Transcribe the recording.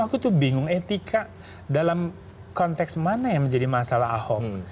aku tuh bingung etika dalam konteks mana yang menjadi masalah ahok